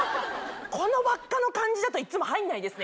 この輪っかの感じだといっつも入んないですね。